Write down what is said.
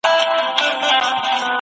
ولي روغتیا ته لاسرسی د هر چا حق دی؟